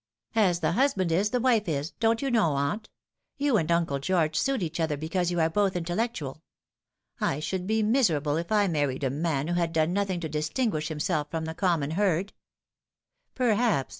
"' As the husband is the wife is,' don't you know, aunt. You and Uncle George suit each other because you are both intellec tual. I should be miserable if I married a man who had done nothing to distinguish himself from the common herd." " Perhaps.